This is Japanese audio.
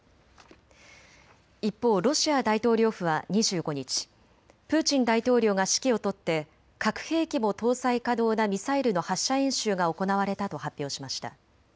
一方、ロシア大統領府は２５日、プーチン大統領が指揮を執って核兵器も搭載可能なミサイルの発射演習が行われたと発表しました。